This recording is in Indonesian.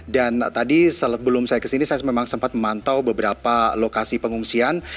dan tadi sebelum saya ke sini saya memang sempat memantau beberapa lokasi pengungsian